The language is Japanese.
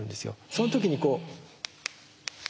そのときにこう。